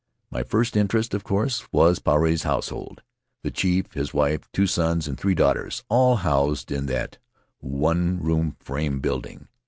My first interest, of course, was Puarei's household — the chief, his wife, two sons, and three daughters all housed in that one room frame building.